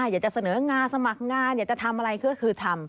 อยากจะเสนองานสมัครงานอยากจะทำอะไรก็คือทำ